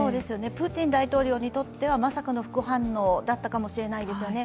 プーチン大統領にとっては、まさかの副反応だったかもしれないですよね。